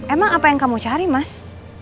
emang apa yang kamu cari mas